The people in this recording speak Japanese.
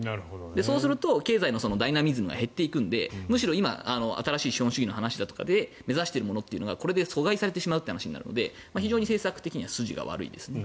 そうすると経済のダイナミズムが減っていくのでむしろ今、新しい資本主義で目指しているものはこれで阻害されてしまう話になるので非常に政策的には筋が悪いですね。